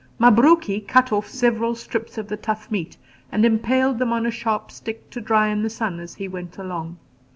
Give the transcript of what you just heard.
Mabruki cut off several strips of the tough meat and impaled them on a sharp stick to dry in the sun as he went along.